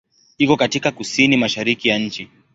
Iko katika kusini-mashariki ya nchi.